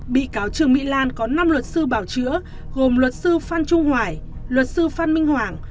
bị cáo trương mỹ lan có năm luật sư bảo chữa gồm luật sư phan trung hoài luật sư phan minh hoàng